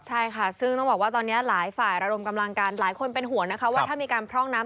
ใช่ค่ะซึ่งต้องบอกว่าตอนนี้หลายฝ่ายระดมกำลังกันหลายคนเป็นห่วงนะคะว่าถ้ามีการพร่องน้ำ